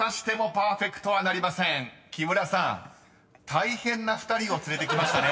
［大変な２人を連れてきましたね］